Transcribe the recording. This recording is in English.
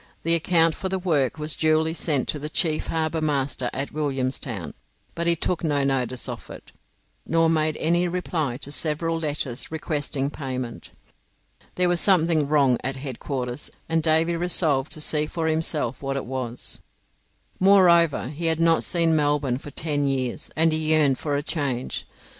The account for the work was duly sent to the chief harbour master at Williamstown, but he took no notice of it, nor made any reply to several letters requesting payment. There was something wrong at headquarters, and Davy resolved to see for himself what it was. Moreover, he had not seen Melbourne for ten years, and he yearned for a change.